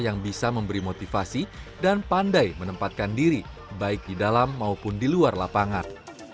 yang bisa memberi motivasi dan pandai menempatkan diri baik di dalam maupun di luar lapangan